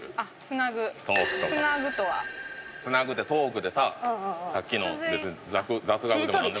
つなぐってトークでささっきの別に雑学でもなんでも。